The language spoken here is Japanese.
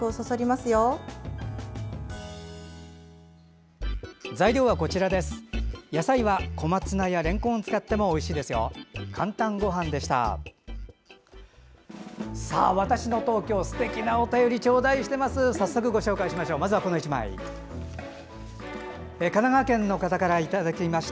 すてきなお便りちょうだいしています。